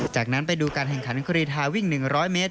จากนั้นไปดูการแข่งขันกรีทาวิ่ง๑๐๐เมตร